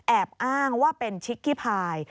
แอบอ้างว่าเป็นชิคกี้พาย